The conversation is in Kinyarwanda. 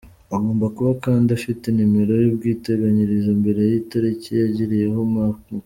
Agomba kuba kandi yari afite nimero y’ubwiteganyirize mbere y’itariki yagiriyeho impanuka.